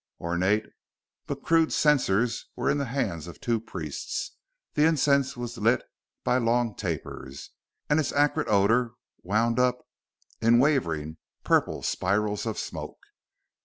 Ornate but crude censers were in the hands of two priests; the incense was lit by long tapers, and its acrid odor wound up in wavering purple spirals of smoke.